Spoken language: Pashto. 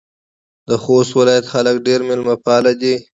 د خوست ولایت خلک ډېر میلمه پاله دي.